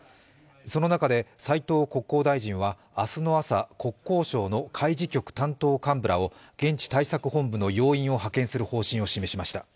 その中で斉藤国交大臣は明日の朝、国交省の海事局担当幹部らを現地対策本部の要員を派遣する方針を示しました。